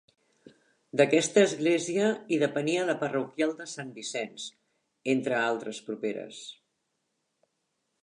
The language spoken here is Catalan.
D'aquesta església hi depenia la parroquial de Sant Vicenç, entre altres properes.